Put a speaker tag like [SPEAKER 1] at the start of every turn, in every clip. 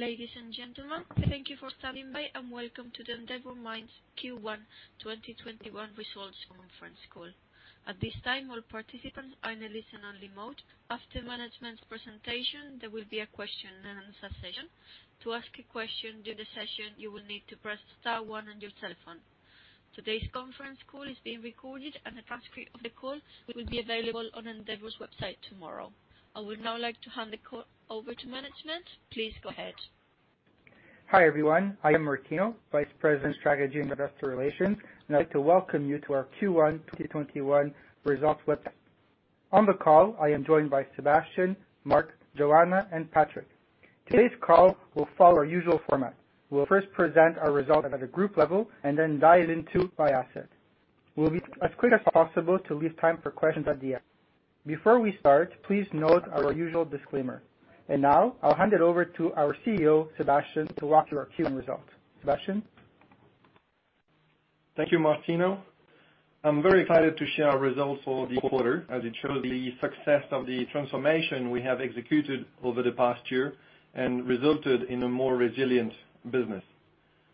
[SPEAKER 1] Ladies and gentlemen, thank you for standing by, and welcome to the Endeavour Mining Q1 2021 results conference call. At this time, all participants are in a listen-only mode. After management's presentation, there will be a question and answer session. To ask a question during the session, you will need to press star one on your telephone. Today's conference call is being recorded, and a transcript of the call will be available on Endeavour's website tomorrow. I would now like to hand the call over to management. Please go ahead.
[SPEAKER 2] Hi, everyone. I am Martino, Vice President, Strategy, and Investor Relations. I'd like to welcome you to our Q1 2021 results website. On the call, I am joined by Sébastien, Mark, Joanna, and Patrick. Today's call will follow our usual format. We'll first present our results at a group level and then dive into by asset. We'll be as quick as possible to leave time for questions at the end. Before we start, please note our usual disclaimer. Now I'll hand it over to our CEO, Sébastien, to walk through our Q1 results. Sébastien?
[SPEAKER 3] Thank you, Martino. I'm very excited to share our results for the quarter, as it shows the success of the transformation we have executed over the past year and resulted in a more resilient business.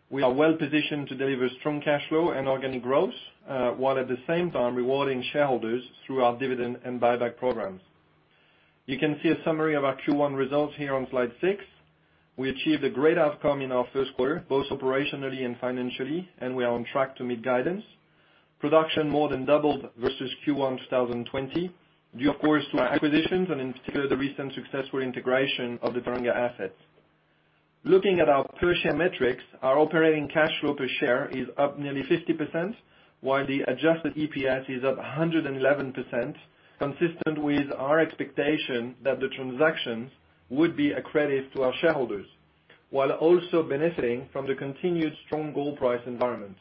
[SPEAKER 3] We are well-positioned to deliver strong cash flow and organic growth, while at the same time rewarding shareholders through our dividend and buyback programs. You can see a summary of our Q1 results here on slide six. We achieved a great outcome in our first quarter, both operationally and financially, and we are on track to meet guidance. Production more than doubled versus Q1 2020, due of course to our acquisitions and in particular, the recent successful integration of the Teranga assets. Looking at our per share metrics, our operating cash flow per share is up nearly 50%, while the adjusted EPS is up 111%, consistent with our expectation that the transactions would be accretive to our shareholders, while also benefiting from the continued strong gold price environment.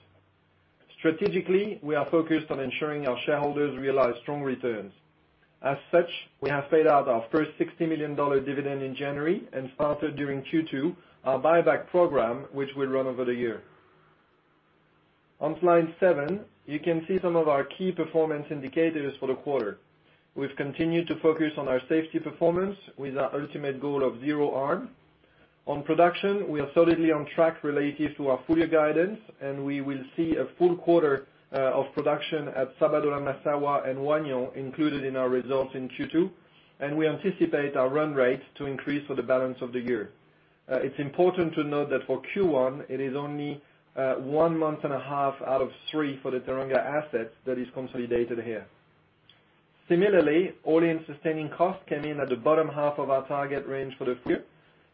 [SPEAKER 3] Strategically, we are focused on ensuring our shareholders realize strong returns. As such, we have paid out our first $60 million dividend in January and started during Q2 our buyback program, which will run over the year. On slide seven, you can see some of our key performance indicators for the quarter. We've continued to focus on our safety performance with our ultimate goal of zero harm. On production, we are solidly on track relative to our full-year guidance. We will see a full quarter of production at Sabodala-Massawa and Wahgnion included in our results in Q2. We anticipate our run rate to increase for the balance of the year. It is important to note that for Q1, it is only one month and a half out of three for the Teranga asset that is consolidated here. Similarly, all-in sustaining costs came in at the bottom half of our target range for the year.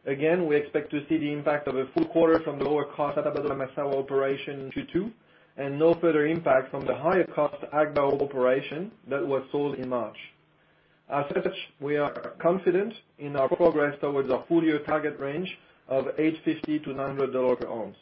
[SPEAKER 3] Again, we expect to see the impact of a full quarter from the lower-cost Sabodala-Massawa operation in Q2 and no further impact from the higher-cost Agbaou operation that was sold in March. As such, we are confident in our progress towards our full-year target range of $850-$900 per ounce.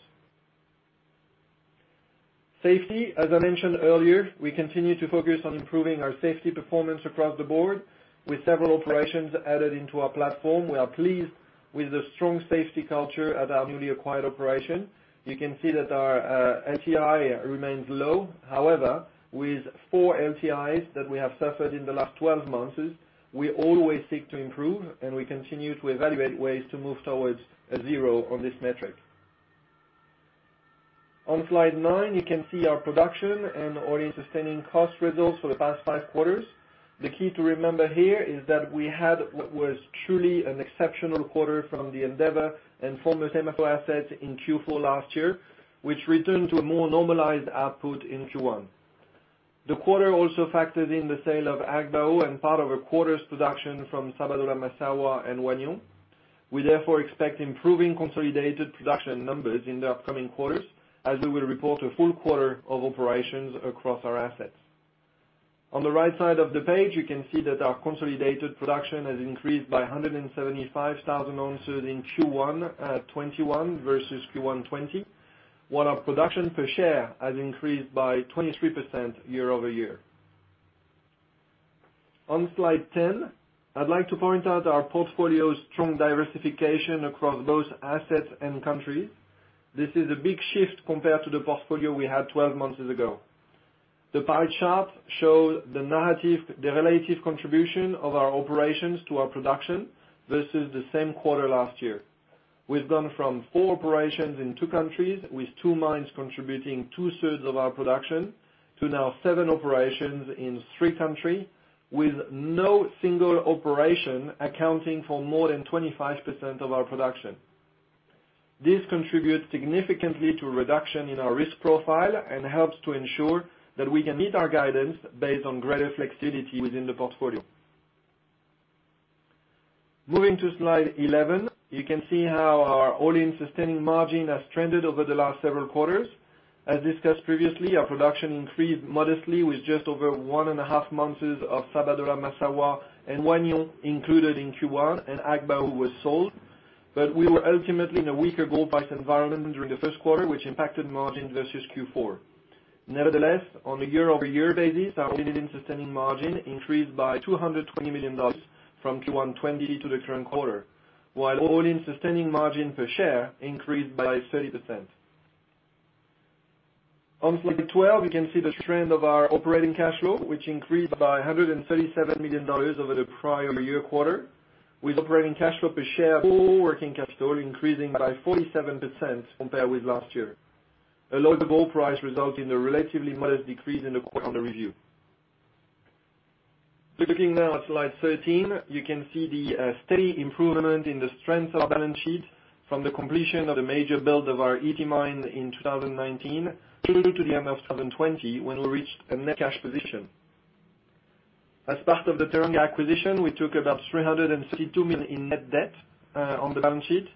[SPEAKER 3] Safety, as I mentioned earlier, we continue to focus on improving our safety performance across the board. With several operations added into our platform, we are pleased with the strong safety culture at our newly acquired operation. You can see that our LTI remains low. However, with four LTIs that we have suffered in the last 12 months, we always seek to improve, and we continue to evaluate ways to move towards a zero on this metric. On slide nine, you can see our production and all-in sustaining cost results for the past five quarters. The key to remember here is that we had what was truly an exceptional quarter from the Endeavour and former SEMAFO assets in Q4 last year, which returned to a more normalized output in Q1. The quarter also factors in the sale of Agbaou and part of a quarter's production from Sabodala-Massawa and Wahgnion. We therefore expect improving consolidated production numbers in the upcoming quarters as we will report a full quarter of operations across our assets. On the right side of the page, you can see that our consolidated production has increased by 175,000 ounces in Q1 2021 versus Q1 2020, while our production per share has increased by 23% year-over-year. On slide 10, I'd like to point out our portfolio's strong diversification across both assets and countries. This is a big shift compared to the portfolio we had 12 months ago. The pie chart shows the relative contribution of our operations to our production versus the same quarter last year. We've gone from four operations in two countries, with two mines contributing 2/3 of our production, to now seven operations in three countries, with no single operation accounting for more than 25% of our production. This contributes significantly to a reduction in our risk profile and helps to ensure that we can meet our guidance based on greater flexibility within the portfolio. Moving to slide 11, you can see how our all-in sustaining margin has trended over the last several quarters. As discussed previously, our production increased modestly with just over one and a half months of Sabodala-Massawa and Wahgnion included in Q1, and Agbaou was sold. We were ultimately in a weaker gold price environment during the first quarter, which impacted margin versus Q4. Nevertheless, on a year-over-year basis, our all-in sustaining margin increased by $220 million from Q1 2020 to the current quarter, while all-in sustaining margin per share increased by 30%. On slide 12, you can see the trend of our operating cash flow, which increased by $137 million over the prior year quarter, with operating cash flow per share and working cash flow increasing by 47% compared with last year. A lower gold price resulting in a relatively modest decrease in the quarter under review. Looking now at slide 13, you can see the steady improvement in the strength of our balance sheet from the completion of the major build of our Ity mine in 2019 through to the end of 2020, when we reached a net cash position. As part of the Teranga acquisition, we took about $332 million in net debt on the balance sheet.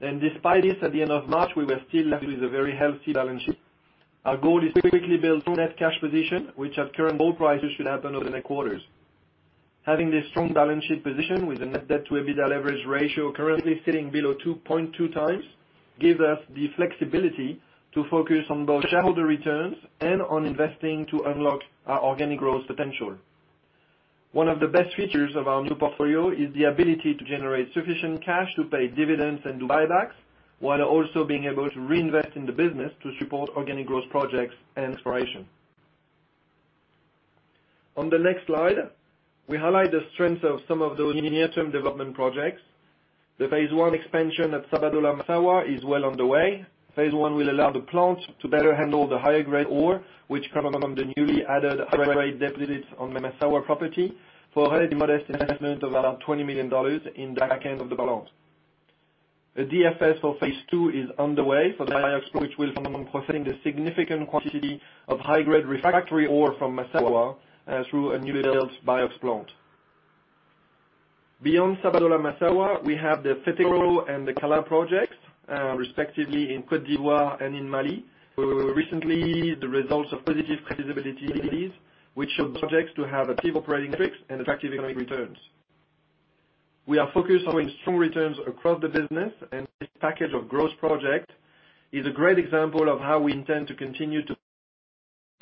[SPEAKER 3] Despite this, at the end of March, we were still left with a very healthy balance sheet. Our goal is to quickly build strong net cash position, which at current gold prices should happen over the next quarters. Having this strong balance sheet position with a net debt to EBITDA leverage ratio currently sitting below 2.2 times, gives us the flexibility to focus on both shareholder returns and on investing to unlock our organic growth potential. One of the best features of our new portfolio is the ability to generate sufficient cash to pay dividends and do buybacks, while also being able to reinvest in the business to support organic growth projects and exploration. On the next slide, we highlight the strength of some of the near-term development projects. The phase I expansion at Sabodala-Massawa is well underway. Phase I will allow the plant to better handle the higher-grade ore, which come from the newly added high-grade deposits on Massawa property for a very modest investment of around $20 million in the back end of the balance. The DFS for phase II is underway for the BIOX, which will focus on processing the significant quantity of high-grade refractory ore from Massawa through a newly built BIOX plant. Beyond Sabodala-Massawa, we have the Fetekro and the Kalana projects, respectively in Côte d'Ivoire and in Mali, who recently the results of positive pre-feasibility studies, which show the projects to have attractive operating metrics and attractive economic returns. We are focused on strong returns across the business, this package of growth project is a great example of how we intend to continue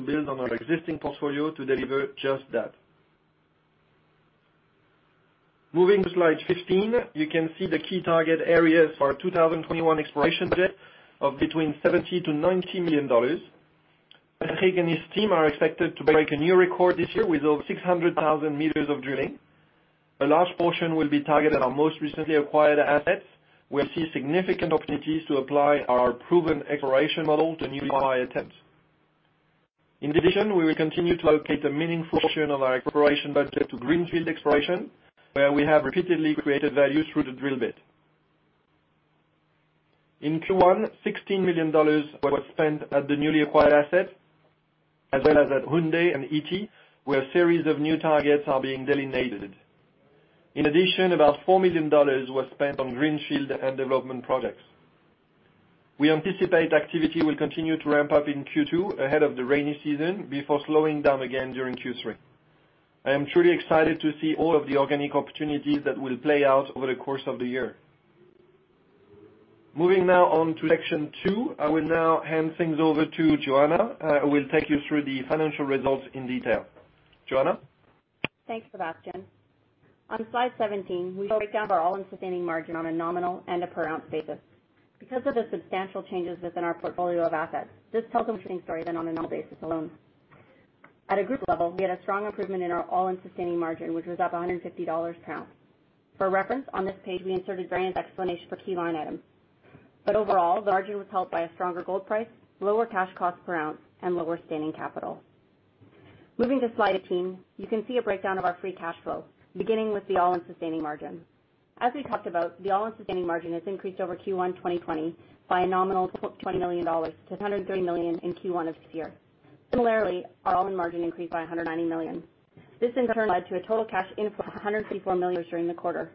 [SPEAKER 3] to build on our existing portfolio to deliver just that. Moving to slide 15, you can see the key target areas for our 2021 exploration budget of between $70 million-$90 million. Patrick and his team are expected to break a new record this year with over 600,000 meters of drilling. A large portion will be targeted at our most recently acquired assets. We see significant opportunities to apply our proven exploration model to newly acquired assets. In addition, we will continue to allocate a meaningful portion of our exploration budget to greenfield exploration, where we have repeatedly created value through the drill bit. In Q1, $16 million was spent at the newly acquired assets, as well as at Houndé and Ity, where a series of new targets are being delineated. In addition, about $4 million was spent on greenfield and development projects. We anticipate activity will continue to ramp up in Q2 ahead of the rainy season before slowing down again during Q3. I am truly excited to see all of the organic opportunities that will play out over the course of the year. Moving now on to section two, I will now hand things over to Joanna, who will take you through the financial results in detail. Joanna?
[SPEAKER 4] Thanks, Sébastien. On slide 17, we break down our all-in sustaining margin on a nominal and a per ounce basis. Of the substantial changes within our portfolio of assets, this tells a more interesting story than on a nominal basis alone. At a group level, we had a strong improvement in our all-in sustaining margin, which was up $150 an ounce. For reference, on this page, we inserted various explanation for key line items. Overall, the margin was helped by a stronger gold price, lower cash cost per ounce, and lower sustaining capital. Moving to slide 18, you can see a breakdown of our free cash flow, beginning with the all-in sustaining margin. As we talked about, the all-in sustaining margin has increased over Q1 2020 by a nominal $20 million to $103 million in Q1 of this year. Similarly, our all-in margin increased by $190 million. This in turn led to a total cash inflow of $164 million during the quarter.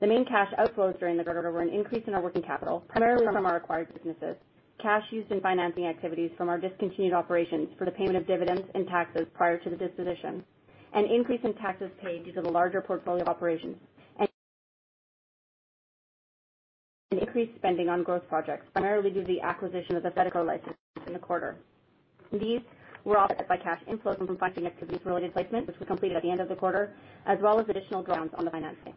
[SPEAKER 4] The main cash outflows during the quarter were an increase in our working capital, primarily from our acquired businesses, cash used in financing activities from our discontinued operations for the payment of dividends and taxes prior to the disposition, an increase in taxes paid due to the larger portfolio of operations, and increased spending on growth projects, primarily due to the acquisition of the Fetekro license in the quarter. These were offset by cash inflows from financing activities related to placements, which were completed at the end of the quarter, as well as additional grants on the financing.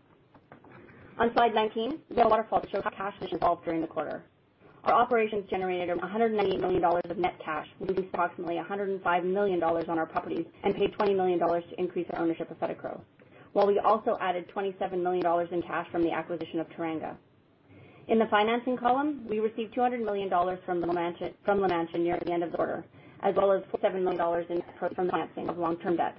[SPEAKER 4] On slide 19, we have a waterfall to show how cash positions evolved during the quarter. Our operations generated $198 million of net cash, we used approximately $105 million on our properties and paid $20 million to increase our ownership of Fetekro, while we also added $27 million in cash from the acquisition of Teranga. In the financing column, we received $200 million from the financial near the end of the quarter, as well as $47 million in cash from the financing of long-term debt,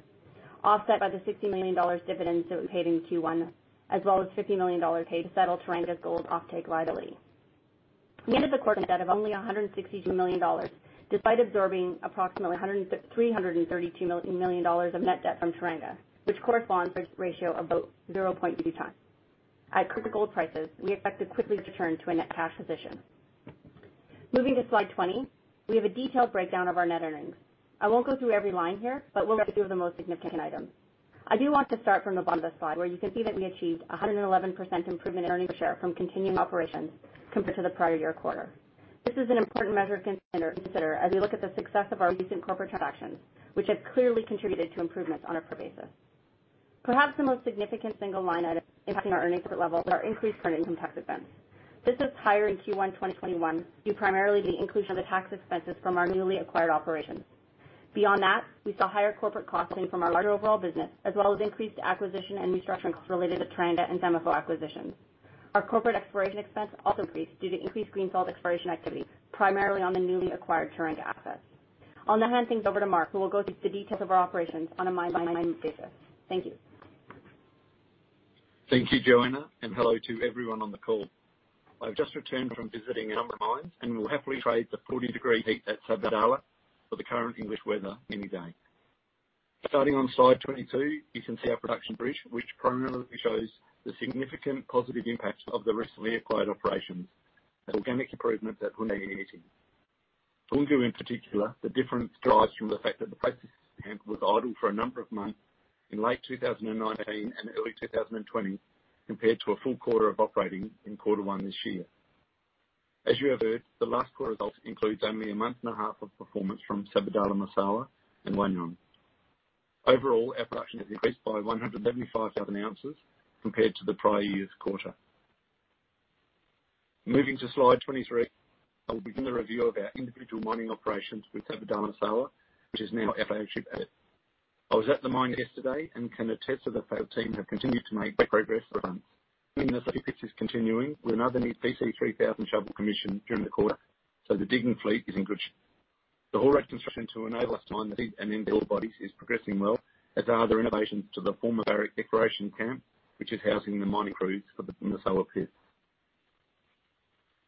[SPEAKER 4] offset by the $60 million dividends that we paid in Q1, as well as $50 million paid to settle Teranga's gold offtake liability. We ended the quarter with a net debt of only $162 million, despite absorbing approximately $332 million of net debt from Teranga, which corresponds to a ratio of about 0.2 times. At current gold prices, we expect to quickly return to a net cash position. Moving to slide 20, we have a detailed breakdown of our net earnings. I won't go through every line here, will go through the most significant items. I do want to start from the bottom of the slide where you can see that we achieved 111% improvement in earnings per share from continuing operations compared to the prior year quarter. This is an important measure to consider as we look at the success of our recent corporate transactions, which has clearly contributed to improvements on a per basis. Perhaps the most significant single line item impacting our earnings at level are increased current income tax expense. This is higher in Q1 2021 due primarily to the inclusion of the tax expenses from our newly acquired operations. Beyond that, we saw higher corporate costs coming from our larger overall business, as well as increased acquisition and restructuring costs related to Teranga and SEMAFO acquisitions. Our corporate exploration expense also increased due to increased greenfield exploration activity, primarily on the newly acquired Teranga assets. I'll now hand things over to Mark, who will go through the details of our operations on a mine-by-mine basis. Thank you.
[SPEAKER 5] Thank you, Joanna. Hello to everyone on the call. I've just returned from visiting a number of mines and will happily trade the 40-degree heat at Sabodala-Massawa for the current English weather any day. Starting on slide 22, you can see our production reach, which primarily shows the significant positive impacts of the recently acquired operations and organic improvement at Houndé and Ity. Houndé, in particular, the difference derives from the fact that the processing camp was idle for a number of months in late 2019 and early 2020, compared to a full quarter of operating in quarter one this year. As you have heard, the last quarter results includes only a month and a half of performance from Sabodala-Massawa and Wahgnion. Overall, our production has increased by 175,000 ounces compared to the prior year's quarter. Moving to slide 23, I will begin the review of our individual mining operations with Sabodala-Massawa, which is now our flagship asset. I was at the mine yesterday and can attest that the field team have continued to make progress. Digging in the pit is continuing with another new Komatsu PC3000 shovel commissioned during the quarter, so the digging fleet is in good shape. The ore construction to enable us to mine the in fill bodies is progressing well, as are other renovations to the former Barrick exploration camp, which is housing the mining crews for the Massawa pit.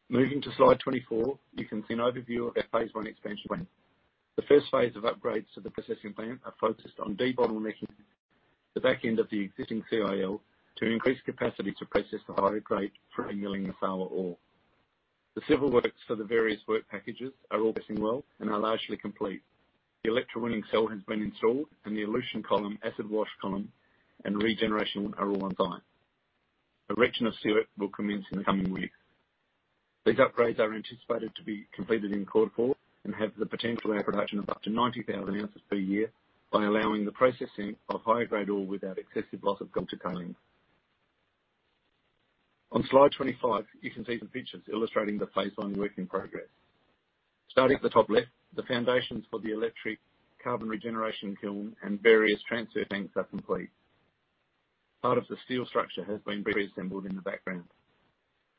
[SPEAKER 5] Moving to slide 24, you can see an overview of our phase I expansion plan. The first phase of upgrades to the processing plant are focused on debottlenecking the back end of the existing CIL to increase capacity to process the higher grade free-milling Massawa ore. The civil works for the various work packages are all progressing well and are largely complete. The electrowinning cell has been installed and the elution column, acid wash column, and regeneration are all on site. Erection of circuit will commence in the coming weeks. These upgrades are anticipated to be completed in quarter four and have the potential ore production of up to 90,000 ounces per year by allowing the processing of higher grade ore without excessive loss of gold to tailings. On slide 25, you can see some pictures illustrating the phase I work in progress. Starting at the top left, the foundations for the electric carbon regeneration kiln and various transfer tanks are complete. Part of the steel structure has been preassembled in the background.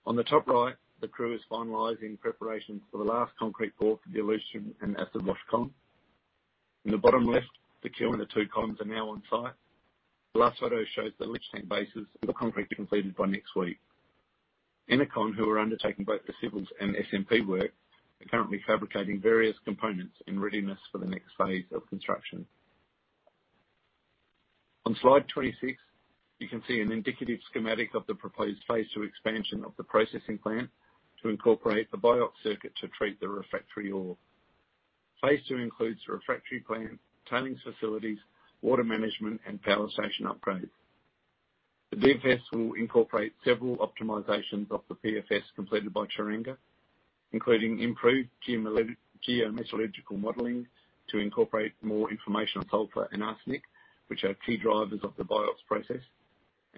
[SPEAKER 5] On the top right, the crew is finalizing preparations for the last concrete pour for the elution and acid wash column. In the bottom left, the kiln and the two columns are now on site. The last photo shows the leaching bases with the concrete to be completed by next week. Enikon, who are undertaking both the civils and SMP work, are currently fabricating various components in readiness for the next phase of construction. On slide 26, you can see an indicative schematic of the proposed phase II expansion of the processing plant to incorporate the BIOX circuit to treat the refractory ore. Phase II includes refractory plant, tailings facilities, water management, and power station upgrade. The DFS will incorporate several optimizations of the PFS completed by Teranga, including improved geometallurgical modeling to incorporate more information on sulfur and arsenic, which are key drivers of the BIOX process,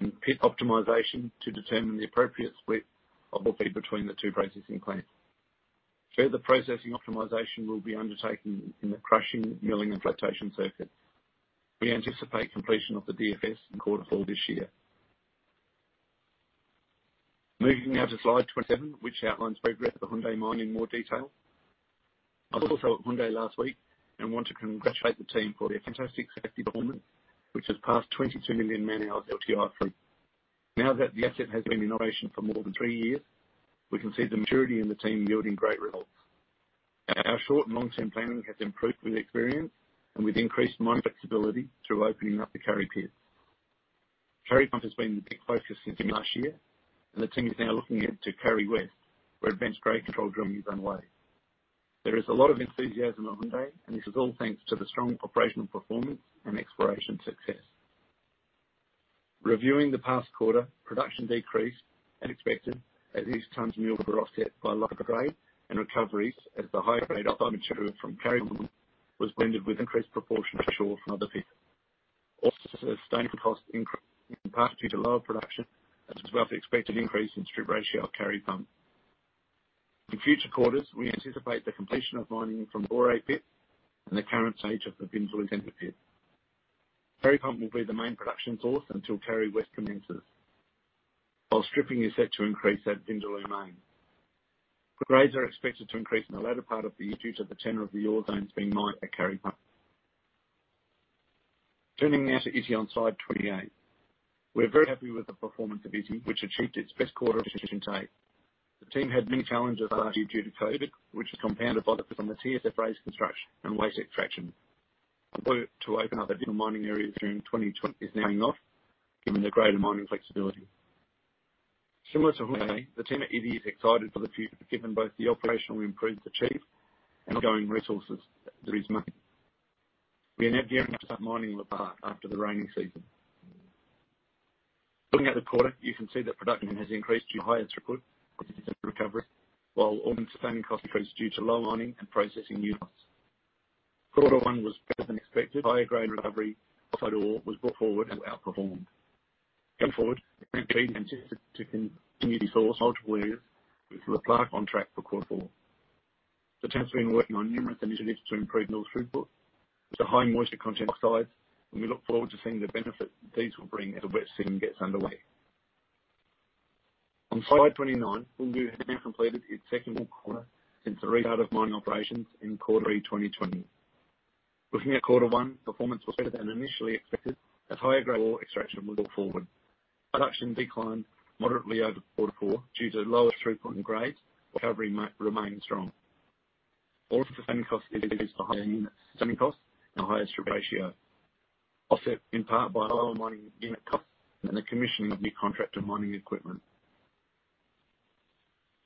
[SPEAKER 5] and pit optimization to determine the appropriate split of ore between the two processing plants. Further processing optimization will be undertaken in the crushing, milling, and flotation circuit. We anticipate completion of the DFS in Q4 this year. Moving now to slide 27, which outlines progress at the Houndé mine in more detail. I was also at Houndé last week and want to congratulate the team for their fantastic safety performance, which has passed 22 million man-hours LTI free. Now that the asset has been in operation for more than three years, we can see the maturity in the team yielding great results. Our short- and long-term planning has improved with experience and with increased mine flexibility through opening up the Kari Pit. Kari Pump has been the big focus since the end of last year, and the team is now looking to Kari West, where advanced grade control drilling is underway. There is a lot of enthusiasm at Houndé, and this is all thanks to the strong operational performance and exploration success. Reviewing the past quarter, production decreased as expected, at East Tons Mill for offset by lower grade and recoveries as the high-grade ore material from Kari Pump was blended with increased proportion of ore from other pits. Sustainable cost increase, in part due to lower production, as well as the expected increase in strip ratio at Kari Pump. In future quarters, we anticipate the completion of mining from Lower A Pit and the current stage of the Bouéré pit. Kari Pump will be the main production source until Kari West commences. Stripping is set to increase at Bouéré Main. The grades are expected to increase in the latter part of the year due to the tenor of the ore zones being mined at Kari Pump. Turning now to Ity on slide 28. We're very happy with the performance of Ity, which achieved its best quarter of production to date. The team had many challenges last year due to COVID, which was compounded by the TSF raised construction and waste extraction. The work to open up the different mining areas during 2020 is paying off, giving the greater mining flexibility. Similar to Houndé, the team at Ity is excited for the future given both the operational improvements achieved and ongoing resources that there is mining. We now begin mining after the rainy season. Looking at the quarter, you can see that production has increased to higher throughput than recovery, while all-in sustaining costs increased due to low mining and processing units. Quarter one was better than expected. Higher grade recovery was brought forward and outperformed. Going forward, we plan to continue to source multiple ways with the Daapleu on track for quarter four. The team's been working on numerous initiatives to improve mill throughput. It's a high moisture content oxide, and we look forward to seeing the benefit these will bring as the wet season gets underway. On slide 29, Boungou has now completed its second full quarter since the restart of mining operations in quarter three 2020. Looking at quarter one, performance was better than initially expected, as higher grade ore extraction was brought forward. Production declined moderately over quarter four due to lower throughput and grades. Recovery remained strong. All sustaining costs is the higher unit sustaining cost and a higher strip ratio, offset in part by lower mining unit cost and the commissioning of new contractor mining equipment.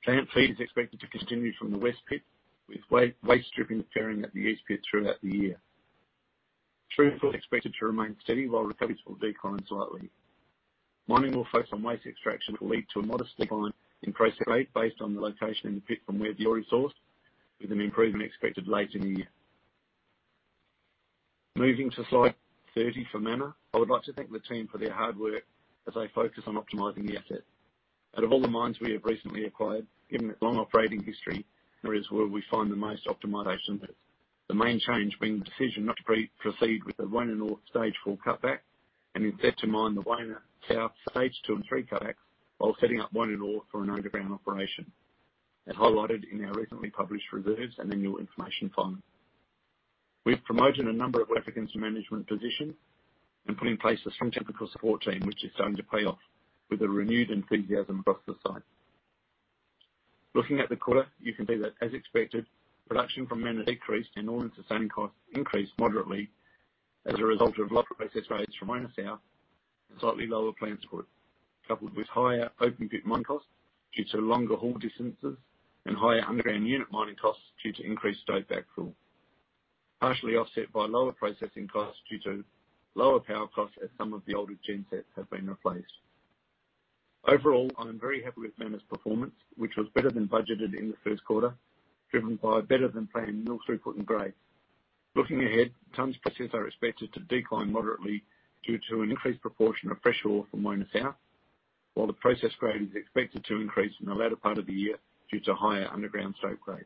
[SPEAKER 5] Plant feed is expected to continue from the West pit, with waste stripping occurring at the East pit throughout the year. Throughput is expected to remain steady while recoveries will decline slightly. Mining will focus on waste extraction, which will lead to a modest decline in processed grade based on the location in the pit from where the ore is sourced, with an improvement expected later in the year. Moving to slide 30 for Mana. I would like to thank the team for their hard work as they focus on optimizing the asset. Out of all the mines we have recently acquired, given its long operating history, Mana is where we find the most optimization. The main change being the decision not to proceed with the One & All Stage four cutback, and instead to mine the Mana South Stage two and three cutbacks while setting up One & All for an underground operation, as highlighted in our recently published reserves and annual information fund. We've promoted a number of workers into management positions and put in place a strong technical support team, which is starting to pay off with a renewed enthusiasm across the site. Looking at the quarter, you can see that, as expected, production from Mana decreased and all-in sustaining costs increased moderately as a result of lower processed grades from Mana South and slightly lower plant throughput, coupled with higher open pit mine costs due to longer haul distances and higher underground unit mining costs due to increased stope fill. Partially offset by lower processing costs due to lower power costs as some of the older gen sets have been replaced. Overall, I am very happy with Mana's performance, which was better than budgeted in the first quarter, driven by better than planned mill throughput and grade. Looking ahead, tonnes processed are expected to decline moderately due to an increased proportion of fresh ore from Mana South, while the process grade is expected to increase in the latter part of the year due to higher underground stope grades.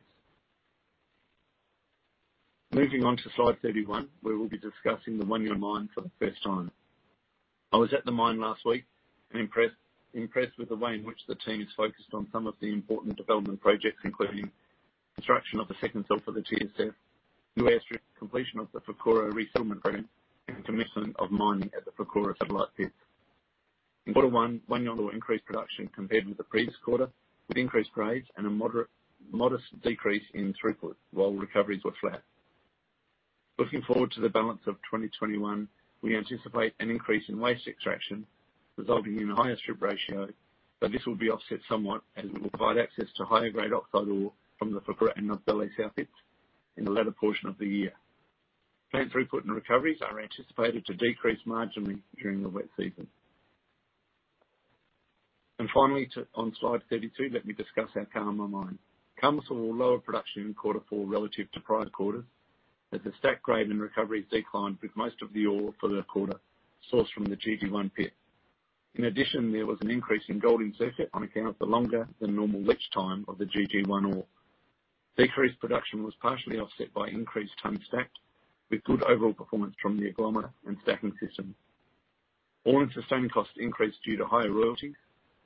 [SPEAKER 5] Moving on to slide 31, where we will be discussing the Wahgnion mine for the first time. I was at the mine last week and impressed with the way in which the team is focused on some of the important development projects, including construction of the second cell for the TSF, new airstrip, completion of the Foukora resettlement grant, and commencement of mining at the Foukora satellite pit. In quarter one, Wahgnion increased production compared with the previous quarter, with increased grades and a modest decrease in throughput, while recoveries were flat. Looking forward to the balance of 2021, we anticipate an increase in waste extraction, resulting in a higher strip ratio, but this will be offset somewhat as we will provide access to higher grade oxide ore from the Foukora and Nogbélé South pits in the latter portion of the year. Plant throughput and recoveries are anticipated to decrease marginally during the wet season. Finally, on slide 32, let me discuss our Karma mine. Karma saw lower production in quarter four relative to prior quarters, as the stacked grade and recoveries declined with most of the ore for the quarter sourced from the GG1 pit. There was an increase in gold in circuit on account of the longer than normal leach time of the GG1 ore. Decreased production was partially offset by increased tonnes stacked, with good overall performance from the agglomerator and stacking system. All-in sustaining costs increased due to higher royalty,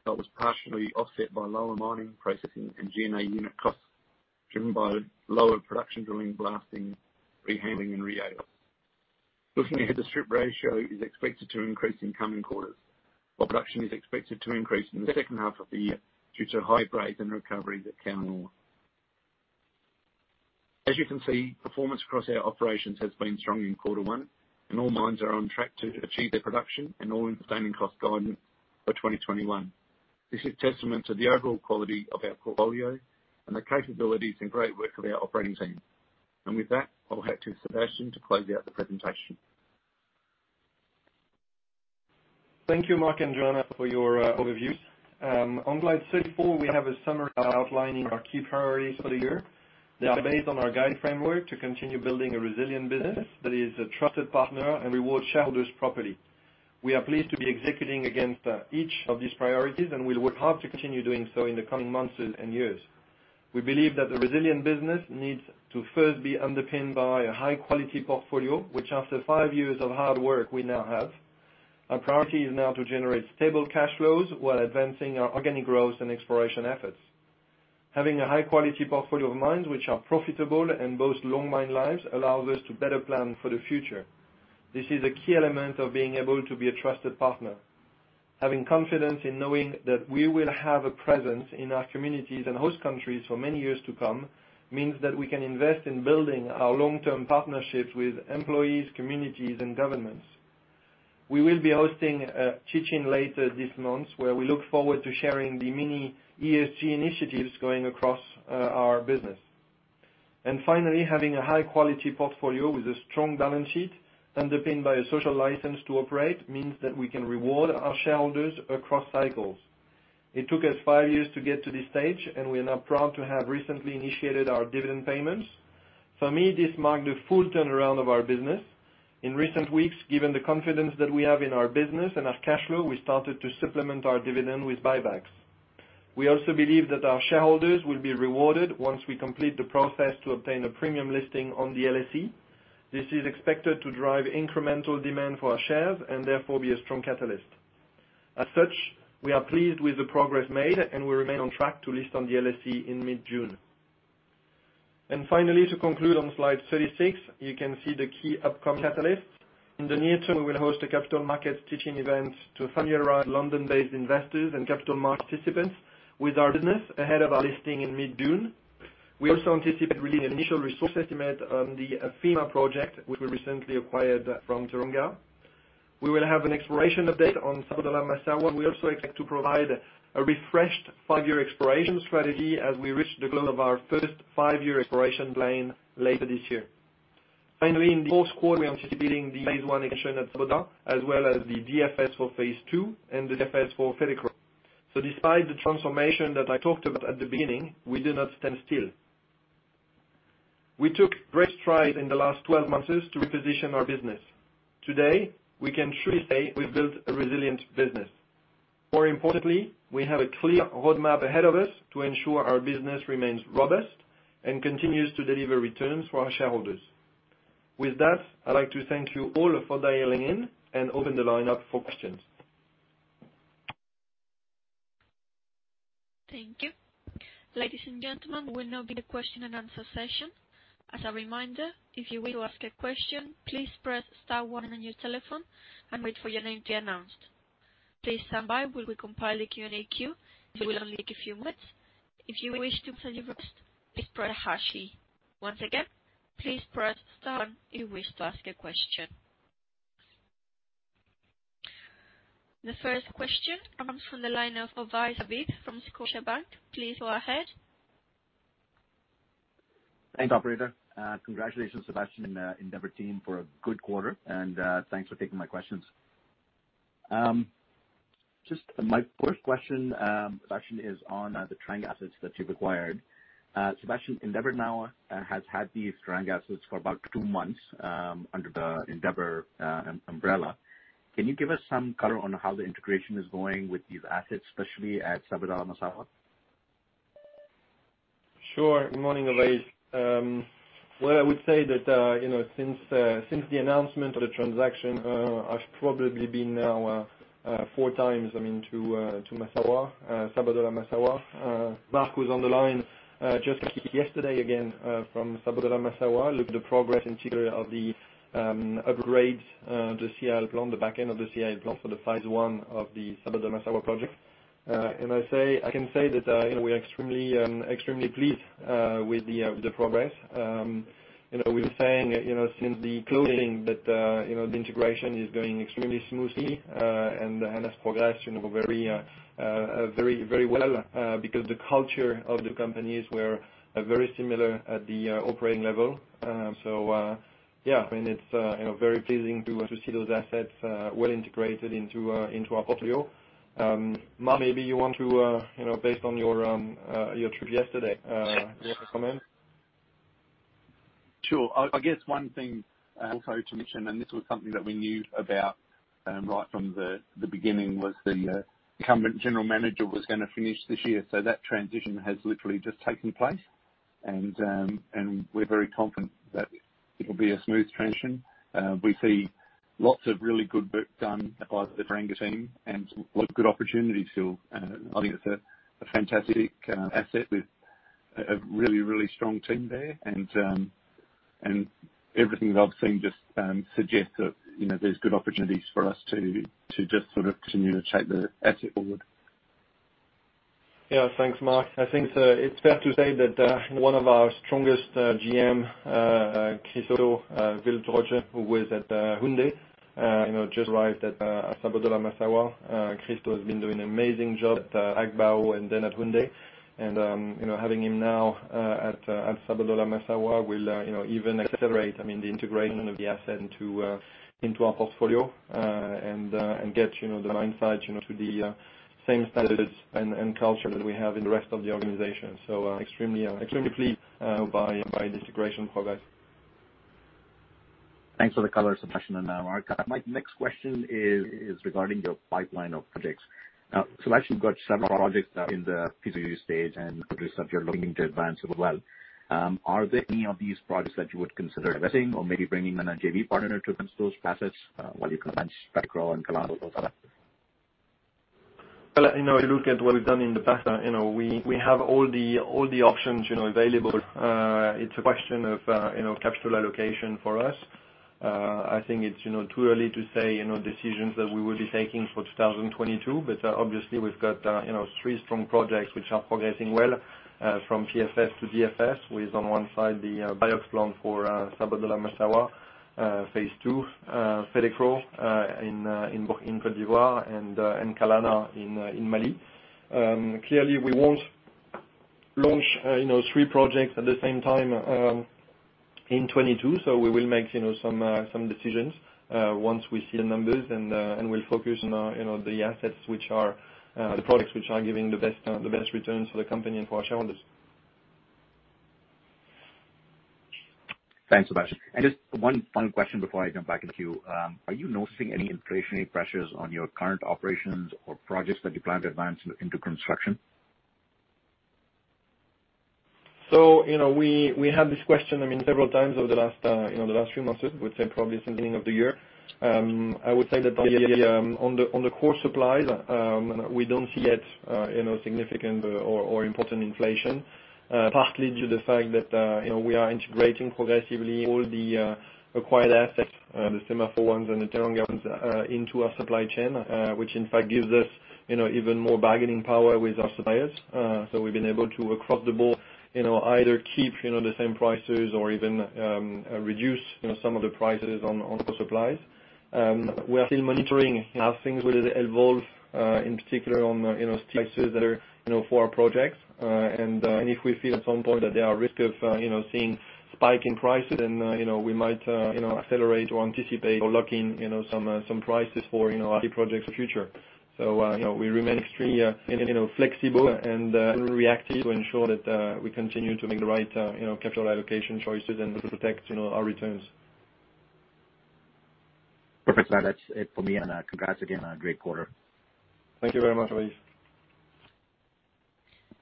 [SPEAKER 5] that was partially offset by lower mining, processing, and G&A unit costs, driven by lower production drilling, blasting, rehandling, and reagent. Looking ahead, the strip ratio is expected to increase in coming quarters, while production is expected to increase in the second half of the year due to high grade and recoveries at Karma. As you can see, performance across our operations has been strong in quarter one, and all mines are on track to achieve their production and all-in sustaining costs guidance for 2021. This is testament to the overall quality of our portfolio and the capabilities and great work of our operating team. With that, I'll hand to Sébastien to close out the presentation.
[SPEAKER 3] Thank you, Mark and Joanna, for your overviews. On slide 34, we have a summary outlining our key priorities for the year. They are based on our guide framework to continue building a resilient business that is a trusted partner and rewards shareholders properly. We are pleased to be executing against each of these priorities, and we work hard to continue doing so in the coming months and years. We believe that the resilient business needs to first be underpinned by a high-quality portfolio, which after five years of hard work, we now have. Our priority is now to generate stable cash flows while advancing our organic growth and exploration efforts. Having a high-quality portfolio of mines which are profitable and boast long mine lives allows us to better plan for the future. This is a key element of being able to be a trusted partner. Having confidence in knowing that we will have a presence in our communities and host countries for many years to come means that we can invest in building our long-term partnerships with employees, communities, and governments. We will be hosting a teaching later this month, where we look forward to sharing the many ESG initiatives going across our business. Finally, having a high-quality portfolio with a strong balance sheet underpinned by a social license to operate means that we can reward our shareholders across cycles. It took us five years to get to this stage, and we are now proud to have recently initiated our dividend payments. For me, this marked the full turnaround of our business. In recent weeks, given the confidence that we have in our business and our cash flow, we started to supplement our dividend with buybacks. We also believe that our shareholders will be rewarded once we complete the process to obtain a premium listing on the LSE. This is expected to drive incremental demand for our shares and therefore be a strong catalyst. We are pleased with the progress made, and we remain on track to list on the LSE in mid-June. Finally, to conclude on slide 36, you can see the key upcoming catalysts. In the near term, we will host a capital markets teaching event to familiarize London-based investors and capital market participants with our business ahead of our listing in mid-June. We also anticipate releasing an initial resource estimate on the Afema project, which we recently acquired from Teranga. We will have an exploration update on Sabodala-Massawa. We also expect to provide a refreshed five-year exploration strategy as we reach the goal of our first five-year exploration plan later this year. In the fourth quarter, we are anticipating the phase I expansion at Sabodala, as well as the DFS for phase II and the DFS for Fetekro. Despite the transformation that I talked about at the beginning, we do not stand still. We took great strides in the last 12 months to reposition our business. Today, we can truly say we've built a resilient business. More importantly, we have a clear roadmap ahead of us to ensure our business remains robust and continues to deliver returns for our shareholders. With that, I'd like to thank you all for dialing in and open the line up for questions.
[SPEAKER 1] Thank you. Ladies and gentlemen, we'll now be the question and answer session. As a reminder, if you will ask a question, please press star one on your telephone and wait for your name to be announced. Please stand by while we compile the Q&A queue, which will only take a few minutes. If you wish to send a question, please press hash. Once again, please press star if you wish to ask a question. The first question comes from the line of Ovais Habib from Scotiabank. Please go ahead.
[SPEAKER 6] Thanks, operator. Congratulations, Sébastien and Endeavour team for a good quarter, and thanks for taking my questions. My first question, Sébastien, is on the Teranga assets that you've acquired. Sébastien, Endeavour now has had these Teranga assets for about two months under the Endeavour umbrella. Can you give us some color on how the integration is going with these assets, especially at Sabodala-Massawa?
[SPEAKER 3] Sure. Good morning, Ovais. What I would say that since the announcement of the transaction, I've probably been now four times, I mean, to Massawa, Sabodala-Massawa. Mark was on the line just yesterday again from Sabodala-Massawa, looked at the progress in terms of the upgrades, the CIL plant, the back end of the CIL plant for the phase I of the Sabodala-Massawa project. I can say that we're extremely pleased with the progress. We were saying since the closing that the integration is going extremely smoothly, and has progressed very well, because the culture of the companies were very similar at the operating level. Yeah, it's very pleasing to see those assets well integrated into our portfolio. Mark, maybe you want to, based on your trip yesterday, do you want to comment?
[SPEAKER 5] Sure. I guess one thing also to mention, and this was something that we knew about right from the beginning, was the incumbent general manager was going to finish this year. That transition has literally just taken place. We're very confident that it'll be a smooth transition. We see lots of really good work done by the Teranga team and lots of good opportunities still. I think it's a fantastic asset with a really, really strong team there. Everything that I've seen just suggests that there's good opportunities for us to just sort of continue to take the asset forward.
[SPEAKER 3] Thanks, Mark. I think it's fair to say that one of our strongest GM, Christo Waelbroeck, who was at Houndé, just arrived at Sabodala-Massawa. Christo has been doing an amazing job at Agbaou and then at Houndé. Having him now at Sabodala-Massawa will even accelerate the integration of the asset into our portfolio and get the mindset to the same standards and culture that we have in the rest of the organization. Extremely pleased by this integration progress.
[SPEAKER 6] Thanks for the color, Sébastien and Mark. My next question is regarding your pipeline of projects. Now, Sébastien, you've got several projects now in the feasibility stage and others that you're looking to advance as well. Are there any of these projects that you would consider divesting or maybe bringing in a JV partner to advance those assets while you advance Fetekro and Kalana also?
[SPEAKER 3] If you look at what we've done in the past, we have all the options available. It's a question of capital allocation for us. I think it's too early to say decisions that we will be taking for 2022. Obviously, we've got three strong projects which are progressing well from PFS to DFS, with on one side the BIOX plant for Sabodala-Massawa phase II, Fetekro in Côte d'Ivoire, and Kalana in Mali. Clearly, we won't launch three projects at the same time in 2022, we will make some decisions once we see the numbers, and we'll focus on the products which are giving the best returns for the company and for our shareholders.
[SPEAKER 6] Thanks, Sébastien. Just one final question before I jump back into you. Are you noticing any inflationary pressures on your current operations or projects that you plan to advance into construction?
[SPEAKER 3] We had this question several times over the last few months. I would say probably since the beginning of the year. I would say that on the core supplies, we don't see yet significant or important inflation, partly due to the fact that we are integrating progressively all the acquired assets, the SEMAFO ones and the Teranga ones, into our supply chain, which in fact gives us even more bargaining power with our suppliers. We've been able to, across the board, either keep the same prices or even reduce some of the prices on core supplies. We are still monitoring how things will evolve, in particular on steel prices that are for our projects. If we feel at some point that there are risks of seeing spike in prices, then we might accelerate or anticipate or lock in some prices for our projects for future. We remain extremely flexible and reactive to ensure that we continue to make the right capital allocation choices and to protect our returns.
[SPEAKER 6] Perfect. That's it for me. Congrats again on a great quarter.
[SPEAKER 3] Thank you very much, Ovais Habib.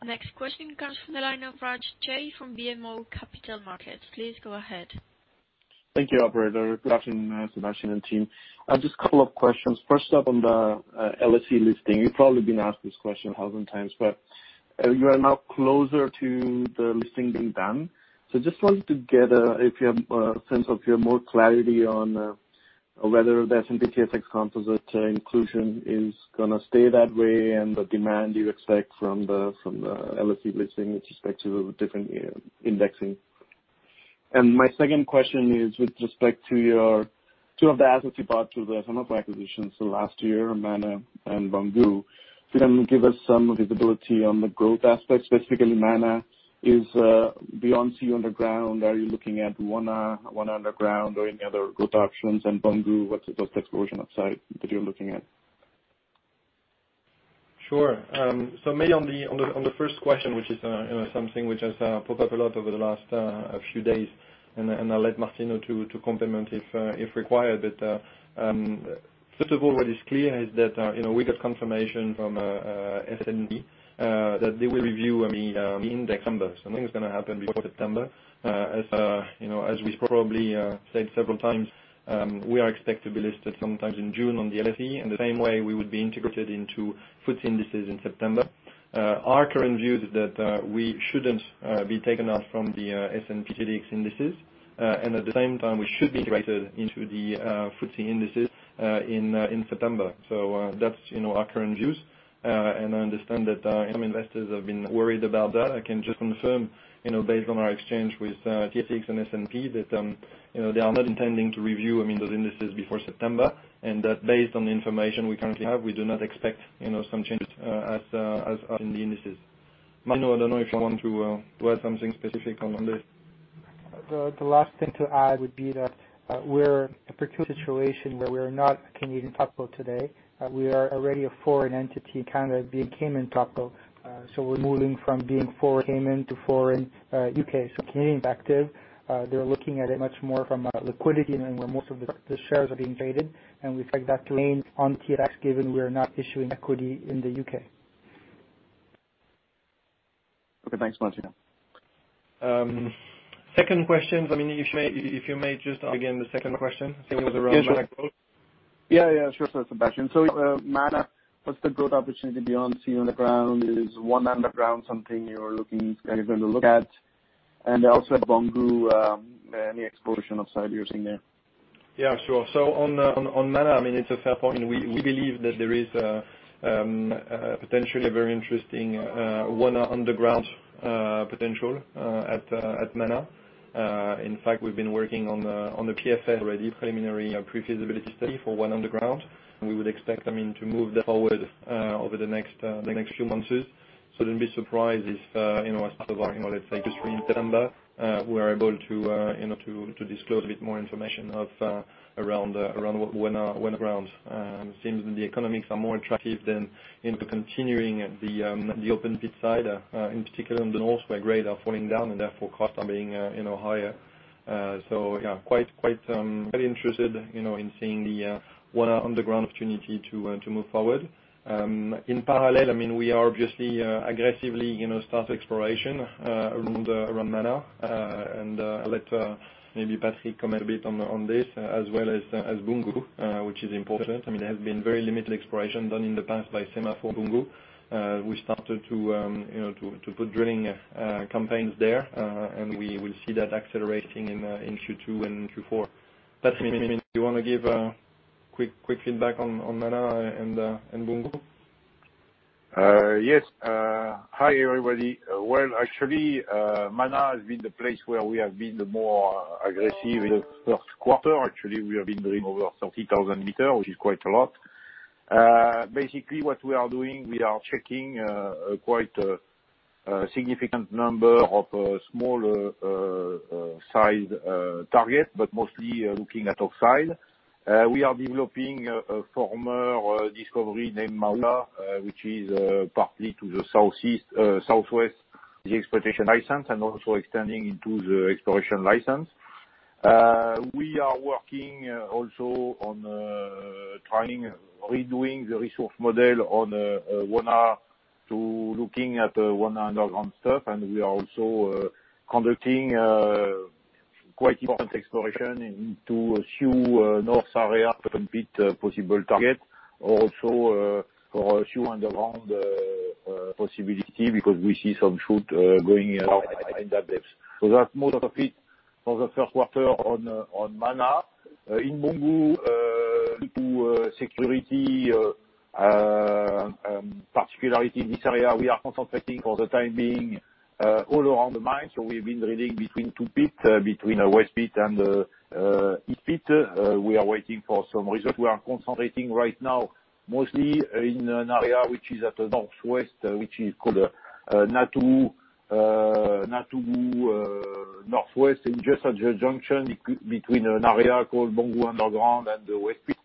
[SPEAKER 1] Next question comes from the line of Raj Ray from BMO Capital Markets. Please go ahead.
[SPEAKER 7] Thank you, operator. Good afternoon, Sébastien and team. I've just a couple of questions. First up on the LSE listing. You've probably been asked this question 1,000 times. You are now closer to the listing being done. Just wanted to get a sense if you have more clarity on whether the S&P/TSX Composite inclusion is going to stay that way, and the demand you expect from the LSE listing with respect to different indexing. My second question is with respect to the assets you bought through the SEMAFO acquisition. Last year, Mana and Boungou. Can you give us some visibility on the growth aspects, specifically Mana is Wona underground. Are you looking at Wona underground or any other growth options? Boungou, what's the best exploration upside that you're looking at?
[SPEAKER 3] Sure. Maybe on the first question, which is something which has popped up a lot over the last few days, and I'll let Martino to complement if required. First of all, what is clear is that we got confirmation from S&P that they will review the index in September. Something is going to happen before September. As we've probably said several times, we are expected to be listed sometime in June on the LSE, in the same way we would be integrated into FTSE indices in September. Our current view is that we shouldn't be taken out from the S&P/TSX indices. At the same time, we should be integrated into the FTSE indices in September. That's our current views. I understand that some investors have been worried about that. I can just confirm, based on our exchange with TSX and S&P, that they are not intending to review those indices before September, and that based on the information we currently have, we do not expect some changes as in the indices. Martino, I don't know if you want to add something specific on this.
[SPEAKER 2] The last thing to add would be that we're in a particular situation where we are not a Canadian domicile today. We are already a foreign entity in Canada, being Cayman domicile. We're moving from being foreign Cayman to foreign U.K. Canadian active, they're looking at it much more from a liquidity lens where most of the shares are being traded. We expect that to remain on TSX given we are not issuing equity in the U.K.
[SPEAKER 7] Okay. Thanks, Martino.
[SPEAKER 3] Second question, if you may just ask again the second question? Something with around Mana gold.
[SPEAKER 7] Yeah. Sure, Sébastien. Mana, what's the growth opportunity beyond Wona underground? Is Wona underground something you're going to look at? At Boungou, any exploration upside you're seeing there?
[SPEAKER 3] On Mana, it's a fair point, and we believe that there is potentially a very interesting Wona underground potential at Mana. In fact, we've been working on the PFS already, preliminary pre-feasibility study for Wona underground. We would expect to move that forward over the next few months. Don't be surprised if as part of our, let's say, history in September, we're able to disclose a bit more information around Wona underground. It seems the economics are more attractive than into continuing the open pit side, in particular on the north, where grades are falling down and therefore costs are being higher. Yeah, quite interested in seeing the Wona underground opportunity to move forward. In parallel, we are obviously aggressively start exploration around Mana, and I'll let maybe Patrick comment a bit on this as well as Boungou, which is important. There has been very limited exploration done in the past by SEMAFO Boungou. We started to put drilling campaigns there, and we will see that accelerating in Q2 and Q4. Patrick, do you want to give a quick feedback on Mana and Boungou?
[SPEAKER 8] Yes. Hi, everybody. Well, actually, Mana has been the place where we have been the more aggressive in the first quarter. Actually, we have been drilling over 30,000 meters, which is quite a lot. Basically, what we are doing, we are checking quite a significant number of small size targets, but mostly looking at oxide. We are developing a former discovery named Mana, which is partly to the southeast, southwest the exploitation license, and also extending into the exploration license. We are working also on trying redoing the resource model on Ouanga to looking at the Ouanga underground stuff, and we are also conducting quite important exploration into a few north areas to complete a possible target. Also, for a few underground possibility because we see some shoot going in that depth. That's most of it for the first quarter on Mana. In Boungou, due to security particularity in this area, we are concentrating for the time being all around the mine. We've been drilling between two pits, between West Pit and East Pit. We are waiting for some results. We are concentrating right now mostly in an area which is at the northwest, which is called Natougou Northwest, and just at the junction between an area called Boungou Underground and the West Pit.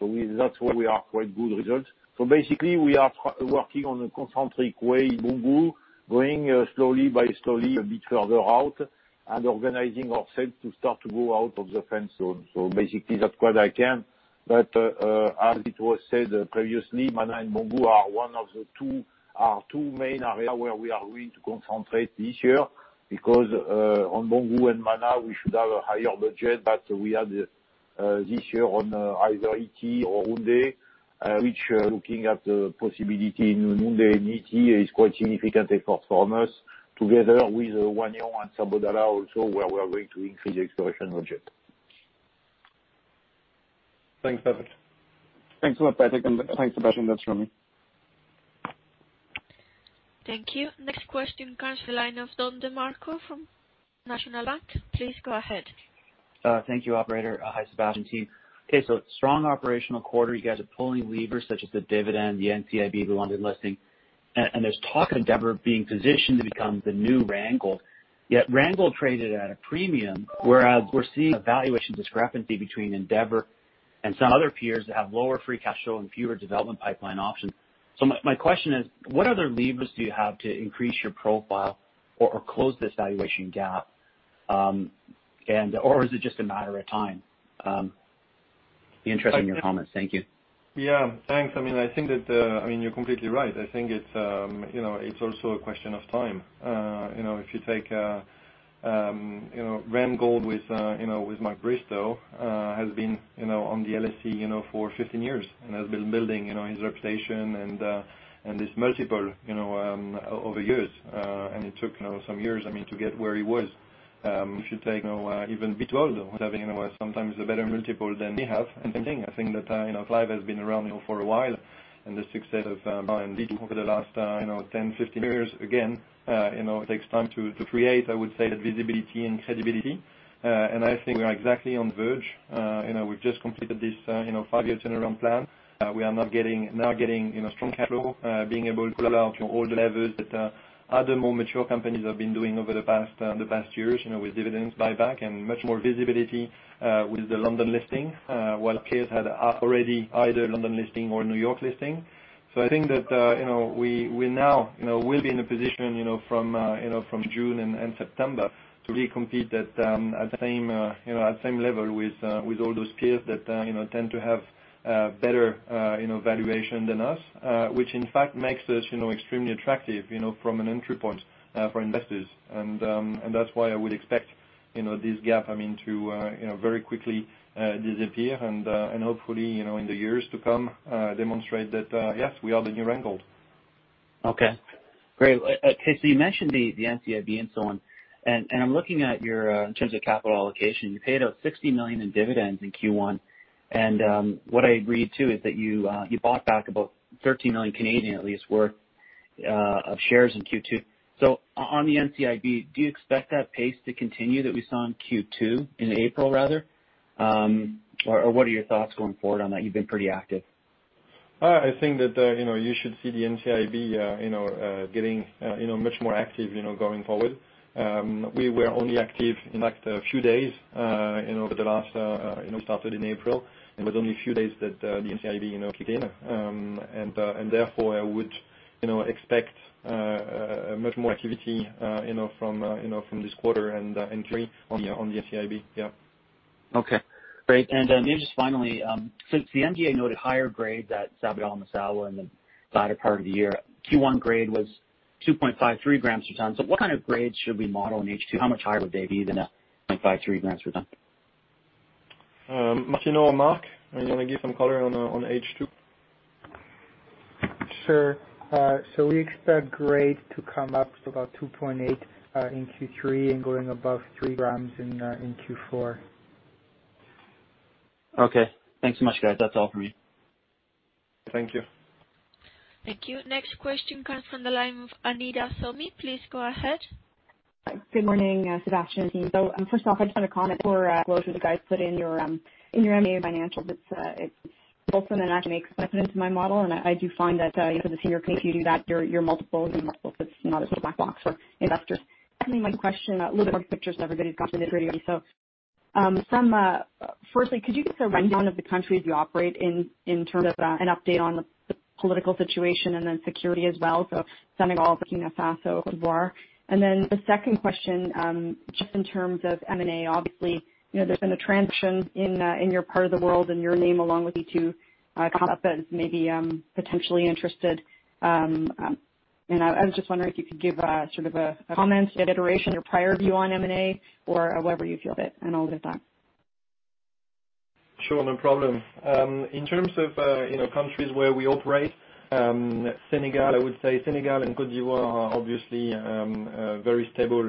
[SPEAKER 8] That's where we have quite good results. Basically, we are working on a concentric way in Boungou, going slowly by slowly a bit further out, and organizing ourselves to start to go out of the fence zone. Basically, that's what I can. As it was said previously, Mana and Boungou are two main areas where we are going to concentrate this year. On Boungou and Mana, we should have a higher budget that we had this year on either Ity or Houndé, which looking at the possibility in Houndé and Ity is quite significant effort for us, together with Touissat and Sabodala also, where we are going to increase the exploration budget.
[SPEAKER 3] Thanks, Patrick.
[SPEAKER 7] Thanks a lot, Patrick, and thanks, Sébastien. That's from me.
[SPEAKER 1] Thank you. Next question comes the line of Don DeMarco from National Bank. Please go ahead.
[SPEAKER 9] Thank you, operator. Hi, Seb and team. Strong operational quarter. You guys are pulling levers such as the dividend, the NCIB, the London listing. There's talk of Endeavour being positioned to become the new Randgold. Randgold traded at a premium, whereas we're seeing a valuation discrepancy between Endeavour and some other peers that have lower free cash flow and fewer development pipeline options. My question is, what other levers do you have to increase your profile or close this valuation gap? Is it just a matter of time? Be interested in your comments. Thank you.
[SPEAKER 3] Yeah. Thanks. I think that you're completely right. I think it's also a question of time. If you take Randgold with Mark Bristow, has been on the LSE for 15 years and has been building his reputation and his multiple over years. It took some years to get where he was. If you take even B2Gold, having sometimes a better multiple than we have, same thing. I think that Clive has been around for a while, and the success of B2Gold over the last 10, 15 years, again it takes time to create, I would say, that visibility and credibility. I think we are exactly on the verge. We've just completed this five-year turnaround plan. We are now getting strong cash flow, being able to roll out all the levers that other more mature companies have been doing over the past years, with dividends, buyback, and much more visibility with the London listing while peers had already either London listing or New York listing. I think that we now will be in a position from June and September to re-compete at the same level with all those peers that tend to have better valuation than us, which in fact makes us extremely attractive from an entry point for investors. That's why I would expect this gap to very quickly disappear and hopefully in the years to come, demonstrate that yes, we are the new Randgold.
[SPEAKER 9] Okay, great. Okay. You mentioned the NCIB and so on. I'm looking at, in terms of capital allocation, you paid out $60 million in dividends in Q1. What I agreed to is that you bought back about 30 million at least worth of shares in Q2. On the NCIB, do you expect that pace to continue that we saw in Q2, in April rather? What are your thoughts going forward on that? You've been pretty active.
[SPEAKER 3] I think that you should see the NCIB getting much more active going forward. We were only active in like a few days, started in April. It was only a few days that the NCIB kicked in. Therefore, I would expect much more activity from this quarter and Q3 on the NCIB. Yeah.
[SPEAKER 9] Okay, great. Maybe just finally, since the MD&A noted higher grades at Sabodala and Massawa in the latter part of the year, Q1 grade was 2.53 grams per ton. What kind of grades should we model in H2? How much higher would they be than that 2.53 grams per ton?
[SPEAKER 3] Martino or Mark, you want to give some color on H2?
[SPEAKER 2] Sure. We expect grade to come up to about 2.8 in Q3 and going above 3 grams in Q4.
[SPEAKER 9] Okay. Thanks so much, guys. That's all from me.
[SPEAKER 3] Thank you.
[SPEAKER 1] Thank you. Next question comes from the line of Anita Soni. Please go ahead.
[SPEAKER 10] Good morning, Sebastian and team. First off, I just want to comment for disclosure the guys put in your MD&A financials. It's awesome and actually makes sense into my model, and I do find that for the senior team, if you do that, your multiples on multiples, it's not a sort of black box for investors. I think my question, a little bit more pickier than everybody's got to the gritty. Firstly, could you give us a rundown of the countries you operate in terms of an update on the political situation and then security as well? Senegal, Burkina Faso, Côte d'Ivoire. The second question, just in terms of M&A, obviously, there's been a transition in your part of the world and your name along with B2Gold come up as maybe potentially interested. I was just wondering if you could give a comment, reiteration, or prior view on M&A or whatever you feel fit and I will leave it at that.
[SPEAKER 3] Sure. No problem. In terms of countries where we operate, Senegal, I would say Senegal and Côte d'Ivoire are obviously very stable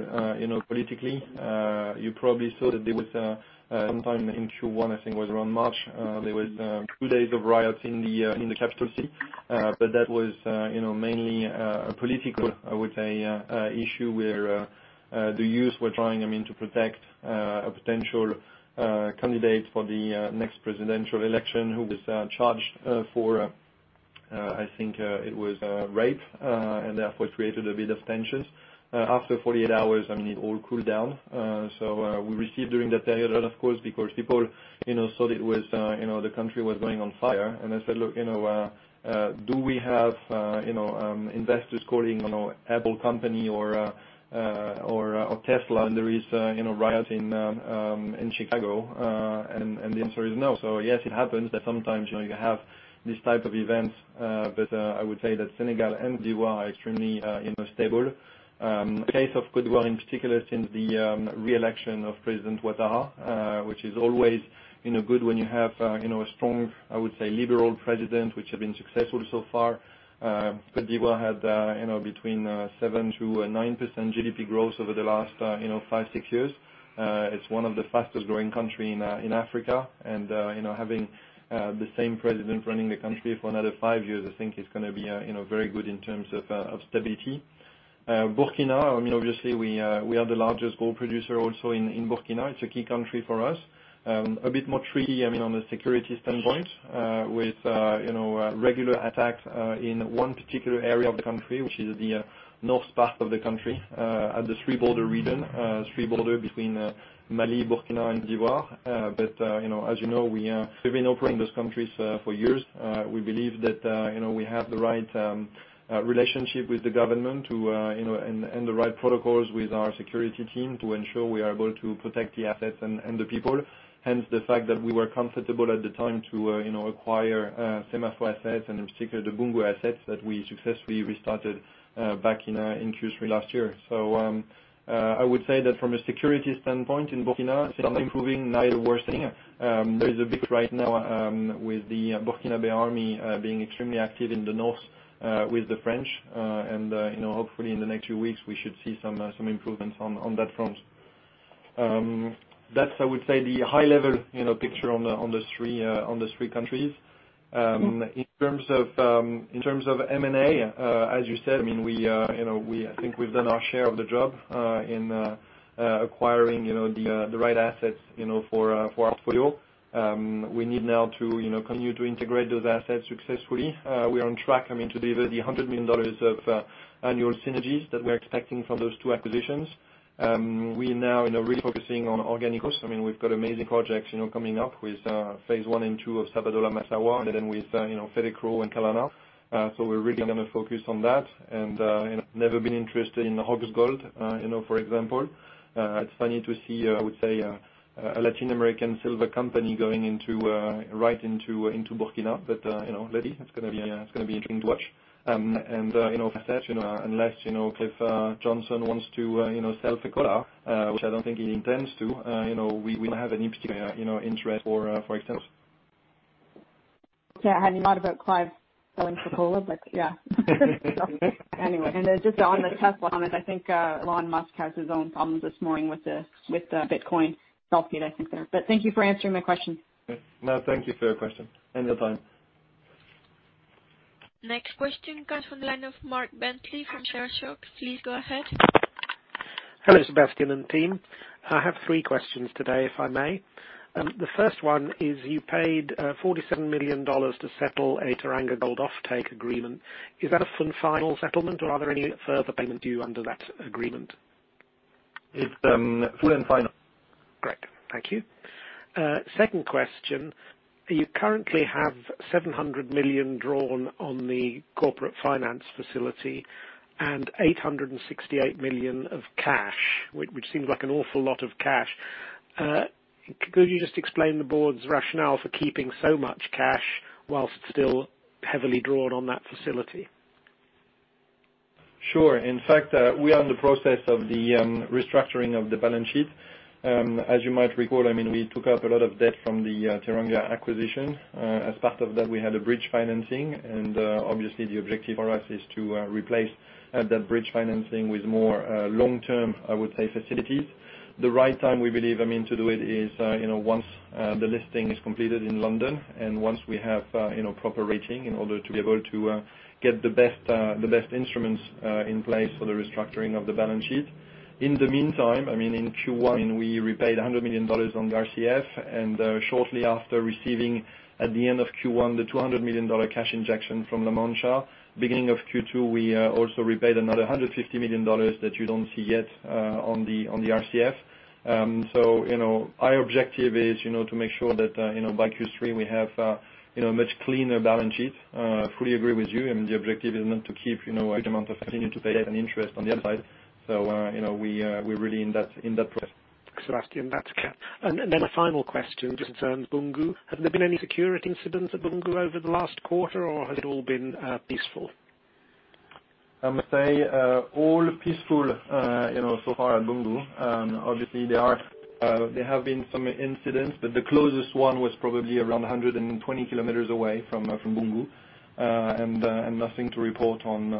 [SPEAKER 3] politically. You probably saw that there was sometime in Q1, I think it was around March, there was two days of riots in the capital city. That was mainly a political, I would say, issue where the youth were trying to protect a potential candidate for the next presidential election who was charged for, I think it was rape, and therefore it created a bit of tension. After 48 hours, it all cooled down. We received during that period, of course, because people thought the country was going on fire. I said, "Look, do we have investors calling Apple company or Tesla, and there is riots in Chicago?" The answer is no. Yes, it happens that sometimes you have these type of events, but I would say that Senegal and Côte d'Ivoire are extremely stable. The case of Côte d'Ivoire in particular since the re-election of President Ouattara, which is always good when you have a strong, I would say, liberal president, which have been successful so far. Côte d'Ivoire had between 7% to 9% GDP growth over the last five, six years. It's one of the fastest-growing country in Africa. Having the same president running the country for another five years, I think it's going to be very good in terms of stability. Burkina, obviously we are the largest gold producer also in Burkina. It's a key country for us. A bit more tricky on the security standpoint with regular attacks in one particular area of the country, which is the north part of the country at the tri-border region. Tri-border between Mali, Burkina and Côte d'Ivoire. As you know, we've been operating those countries for years. We believe that we have the right relationship with the government and the right protocols with our security team to ensure we are able to protect the assets and the people, hence the fact that we were comfortable at the time to acquire SEMAFO assets, and in particular the Boungou assets that we successfully restarted back in Q3 last year. I would say that from a security standpoint in Burkina, it's improving, neither worsening. There is a bit right now with the Burkinabé army being extremely active in the north with the French. Hopefully in the next few weeks, we should see some improvements on that front. That's I would say the high level picture on the three countries. In terms of M&A, as you said, I think we've done our share of the job in acquiring the right assets for our portfolio. We need now to continue to integrate those assets successfully. We are on track to deliver the $100 million of annual synergies that we are expecting from those two acquisitions. We now are really focusing on organics. We've got amazing projects coming up with phase I and II of Sabodala-Massawa. Then with Fetekro and Kalana. We're really going to focus on that and never been interested in Roxgold, for example. It's funny to see, I would say, a Latin American silver company going right into Burkina, but let's see. It's going to be interesting to watch. For us, unless Clive Johnson wants to sell Fekola, which I don't think he intends to, we don't have any particular interest for it, for example.
[SPEAKER 10] Yeah. I hadn't thought about Clive Johnson selling Fekola. Yeah. Anyway, just on the Tesla comment, I think Elon Musk has his own problems this morning with the Bitcoin sell-off, I think. Thank you for answering my question.
[SPEAKER 3] No, thank you for your question. Anytime.
[SPEAKER 1] Next question comes from the line of Mark Bentley from ShareSoc. Please go ahead.
[SPEAKER 11] Hello, Sébastien and team. I have three questions today, if I may. The first one is, you paid $47 million to settle a Teranga Gold offtake agreement. Is that a full and final settlement, or are there any further payments due under that agreement?
[SPEAKER 3] It's full and final.
[SPEAKER 11] Great. Thank you. Second question, you currently have $700 million drawn on the corporate finance facility and $868 million of cash, which seems like an awful lot of cash. Could you just explain the board's rationale for keeping so much cash whilst still heavily drawn on that facility?
[SPEAKER 3] Sure. In fact, we are in the process of the restructuring of the balance sheet. As you might recall, we took up a lot of debt from the Teranga acquisition. As part of that, we had a bridge financing, and obviously the objective for us is to replace that bridge financing with more long-term, I would say, facilities. The right time we believe to do it is once the listing is completed in London, once we have proper rating in order to be able to get the best instruments in place for the restructuring of the balance sheet. In the meantime, in Q1, we repaid $100 million on RCF, shortly after receiving at the end of Q1, the $200 million cash injection from La Mancha. Beginning of Q2, we also repaid another $150 million that you don't see yet on the RCF. Our objective is to make sure that, by Q3, we have a much cleaner balance sheet. I fully agree with you. The objective is not to keep a good amount of continuing to pay that interest on the other side. We're really in that process.
[SPEAKER 11] Sébastien, that's clear. A final question just on Boungou. Have there been any security incidents at Boungou over the last quarter, or has it all been peaceful?
[SPEAKER 3] I must say, all peaceful so far at Boungou. Obviously there have been some incidents, but the closest one was probably around 120 km away from Boungou. Nothing to report on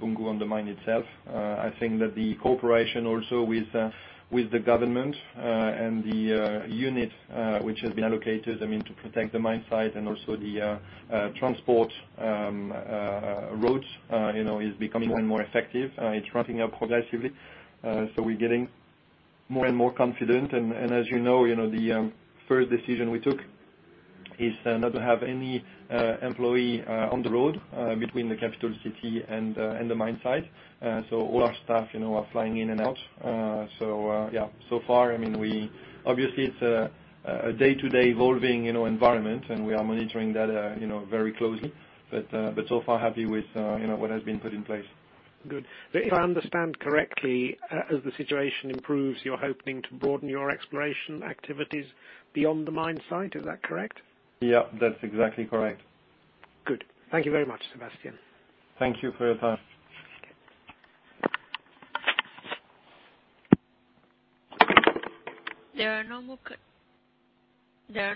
[SPEAKER 3] Boungou on the mine itself. I think that the cooperation also with the government, and the unit, which has been allocated to protect the mine site and also the transport roads, is becoming more and more effective. It's ramping up progressively. We're getting more and more confident and as you know, the first decision we took is not to have any employee on the road between the capital city and the mine site. All our staff are flying in and out. So far, obviously it's a day-to-day evolving environment, and we are monitoring that very closely. We are so far happy with what has been put in place.
[SPEAKER 11] Good. If I understand correctly, as the situation improves, you're hoping to broaden your exploration activities beyond the mine site. Is that correct?
[SPEAKER 3] Yeah, that's exactly correct.
[SPEAKER 11] Good. Thank you very much, Sébastien.
[SPEAKER 3] Thank you for your time.
[SPEAKER 11] Okay.
[SPEAKER 1] There are no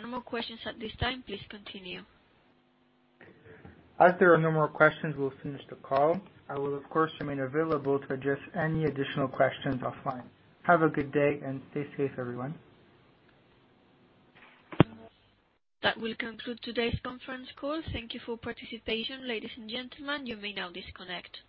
[SPEAKER 1] more questions at this time. Please continue.
[SPEAKER 3] As there are no more questions, we'll finish the call. I will, of course, remain available to address any additional questions offline. Have a good day, and stay safe, everyone.
[SPEAKER 1] That will conclude today's conference call. Thank you for participation. Ladies and gentlemen, you may now disconnect.